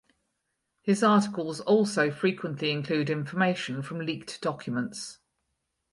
His articles also frequently include information from leaked documents.